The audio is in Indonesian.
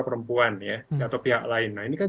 perempuan ya atau pihak lain nah ini kan